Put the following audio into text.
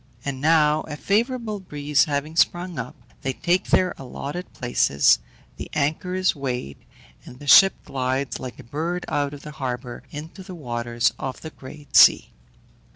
And now a favourable breeze having sprung up, they take their allotted places, the anchor is weighed, and the ship glides like a bird out of the harbour into the waters of the great sea.